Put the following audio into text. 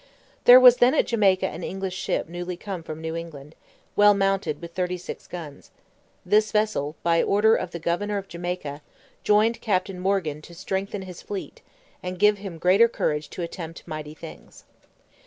There was then at Jamaica an English ship newly come from New England, well mounted with thirty six guns: this vessel, by order of the governor of Jamaica, joined Captain Morgan to strengthen his fleet, and give him greater courage to attempt mighty things.